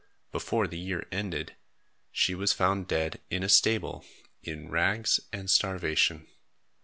Before the year ended, she was found dead in a stable, in rags and starvation.